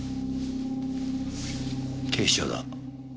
警視庁だ。